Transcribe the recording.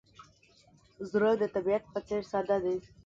زړه د طبیعت په څېر ساده دی.